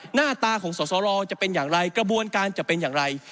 หน้าตาของสอสรจะเป็นอย่างไรกระบวนการจะเป็นอย่างไร